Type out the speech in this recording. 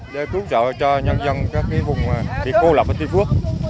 để cứu trợ cho nhân dân các vùng bị cô lập ở tiên phước